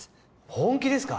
本気ですか？